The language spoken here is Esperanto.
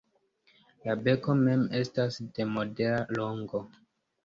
La beko mem estas de modera longo.